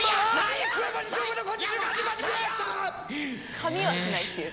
噛みはしないっていう。